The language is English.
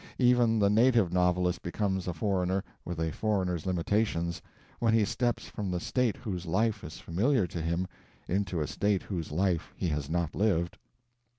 Even the native novelist becomes a foreigner, with a foreigner's limitations, when he steps from the State whose life is familiar to him into a State whose life he has not lived.